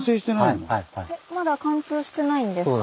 まだ貫通してないんですか？